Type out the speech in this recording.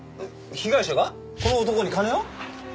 被害者がこの男に金を？